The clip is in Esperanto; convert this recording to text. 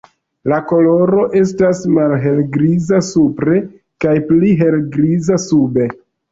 La koloro estas malhelgriza supre kaj pli helgriza sube.